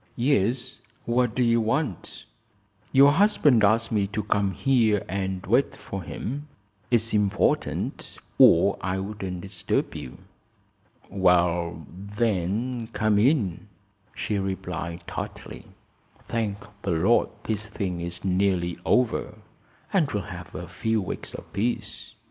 "Yes. What do you want?" "Your husband asked me to come here and wait for him. It's important or I wouldn't disturb you." "Well, then; come in," she replied, tartly. "Thank the Lord this thing is nearly over, and we'll have a few weeks of peace."